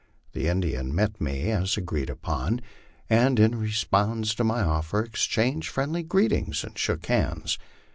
The Indian met me as agreed upon, and in response to my offer exchanged friendly greetings, and shook hands.